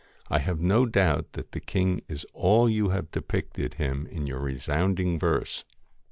'I have no doubt that the king is all that you have depicted him in your resounding verse.